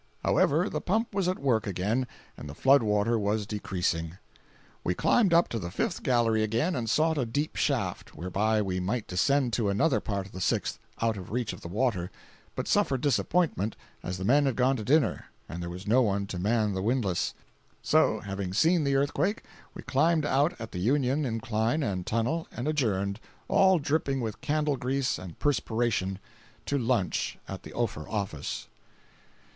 However, the pump was at work again, and the flood water was decreasing. We climbed up to the fifth gallery again and sought a deep shaft, whereby we might descend to another part of the sixth, out of reach of the water, but suffered disappointment, as the men had gone to dinner, and there was no one to man the windlass. So, having seen the earthquake, we climbed out at the Union incline and tunnel, and adjourned, all dripping with candle grease and perspiration, to lunch at the Ophir office.